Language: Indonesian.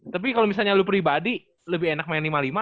tapi kalau misalnya lo pribadi lebih enak main ini mali mali ya